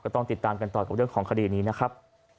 ต้องติดตามกันต่อกับเรื่องของคดีนี้นะครับ